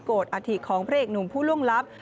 โกรธอัตภิกษ์ของพระเอกหนุ่มผู้ล่วงลับ